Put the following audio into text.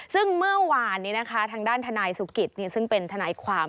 ซึ่งเมื่อวานนี้นะคะทางด้านทนายสุกิตซึ่งเป็นทนายความ